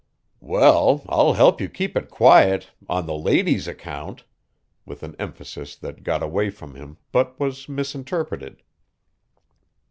"Well, I'll help you keep it quiet on the lady's account!" with an emphasis that got away from him, but was misinterpreted.